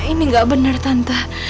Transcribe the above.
ini gak benar tante